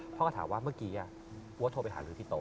พ่อก็ถามว่าเมื่อกี้พ่อโทรไปหาฤ้าที่โต๊ะ